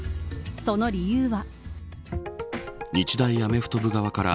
その理由は。